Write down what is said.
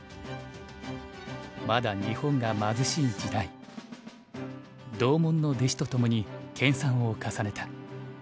まだ日本が貧しい時代同門の弟子とともに研さんを重ねた。